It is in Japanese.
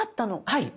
はい。